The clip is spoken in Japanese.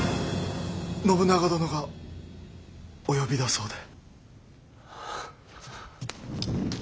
信長殿がお呼びだそうで。